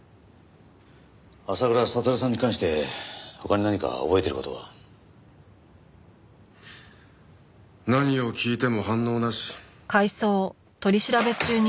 浅倉悟さんに関して他に何か覚えている事は？何を聞いても反応なし。